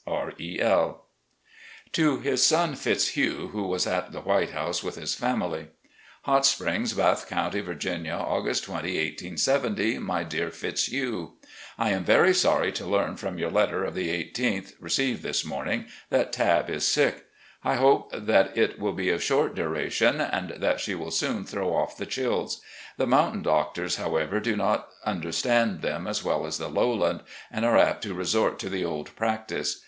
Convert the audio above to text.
"R. E. L." To his son Fitzhugh, who was at the "White House" with his family: "Hot Springs, Bath County, Virginia, August 20, 1870. " My Dear Fitzhugh: I am very sorry to learn from yotur letter of the i8th, received this morning, that Tabb is sick. A ROUND OP VISITS 427 I hope that it will be of short duration and that she will soon throw off the chills. The mountain doctors, how ever, do not understand them as well as the lowland, and are apt to resort to the old practice.